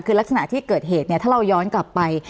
คือลักษณะที่เกิดเหตุเนี่ยถ้าเราย้อนกลับไป